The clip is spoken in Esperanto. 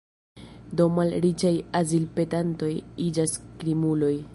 Do malriĉaj azilpetantoj iĝas krimuloj.